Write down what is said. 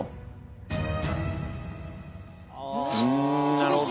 なるほど。